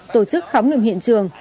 tổ chức khám nghiệm hiện trường